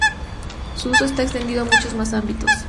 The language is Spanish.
Su uso está extendido a muchos más ámbitos.